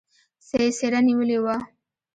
څېره نېولې وه.